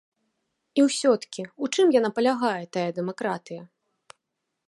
І ўсё-ткі, у чым яна палягае, тая дэмакратыя?